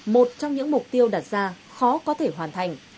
một trong những mục tiêu đặt ra khó có thể hoàn thành